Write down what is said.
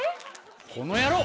この野郎！